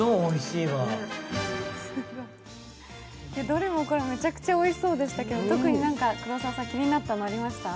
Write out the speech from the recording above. どれもこれもめちゃくちゃおいしそうでしたけど特に何か黒沢さん、気になったのありました？